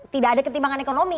tidak ada ketimbangan ekonomi